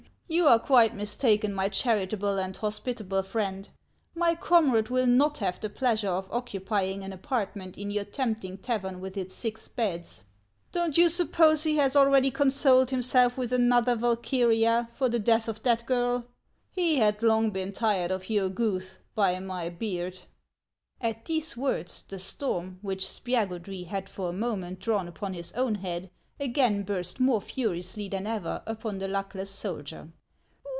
You are quite mistaken, my charitable and hospitable friend. My comrade will not have the pleasure of occu pying an apartment in your tempting tavern with its six beds. Don't you suppose he has already consoled himself 30 HANS OF ICELAND. with another Valkyria for the death of that girl ? He had long been tired of your Guth, by my beard!" At these words, the storm, which Spiagudry had for a moment drawn upon his own head, again burst more furiously than ever upon the luckless soldier.